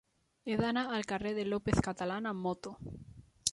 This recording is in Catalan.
He d'anar al carrer de López Catalán amb moto.